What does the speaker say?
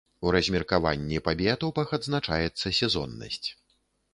У размеркаванні па біятопах адзначаецца сезоннасць.